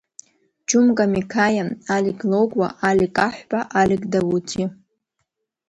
Џьумка Миқаиа, Алик Логәуа, Алик Аҳәба, Алик Дауҭиа…